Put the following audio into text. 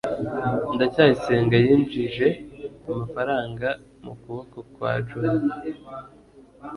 ndacyayisenga yinjije amafaranga mu kuboko kwa jabo